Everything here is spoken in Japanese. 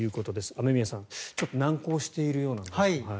雨宮さん難航しているようなんですが。